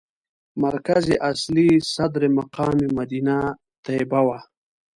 مرکز اصلي صدر مقام مدینه طیبه وه.